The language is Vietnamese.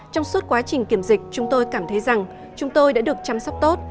trong suốt quá trình kiểm dịch chúng tôi cảm thấy rằng chúng tôi đã được chăm sóc tốt